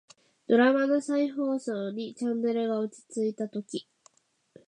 ドラマの再放送にチャンネルが落ち着いたとき、